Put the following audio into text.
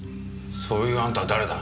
そういうあんたは誰だ？